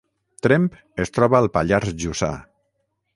Tremp es troba al Pallars Jussà